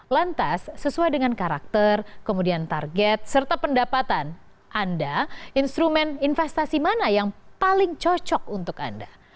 lantas sesuai dengan karakter kemudian target serta pendapatan anda instrumen investasi mana yang paling cocok untuk anda